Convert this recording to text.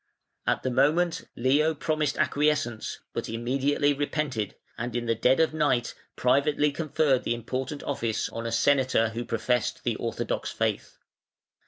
At the moment Leo promised acquiescence, but immediately repented, and in the dead of night privately conferred the important office on a Senator who professed the orthodox faith.